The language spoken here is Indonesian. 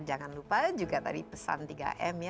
jangan lupa juga tadi pesan tiga m ya